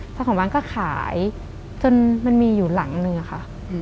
เจ้าของร้านก็ขายจนมันมีอยู่หลังนึงอะค่ะ